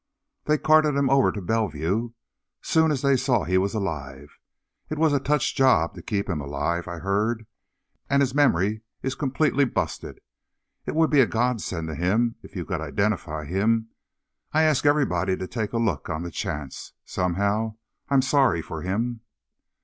"They carted him over to Bellevue soon's they seen he was alive. It was a touch job to keep him alive, I heard, and his memory is completely busted. It would be a godsend to him if you could identify him. I ask everybody to take a look on the chance. Somehow, I'm sorry for him."